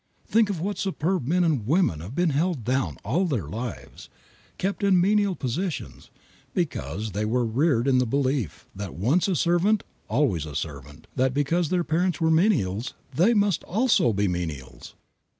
Think what superb men and women have been held down all their lives, kept in menial positions, because they were reared in the belief that once a servant always a servant; that because their parents were menials they must also be menials!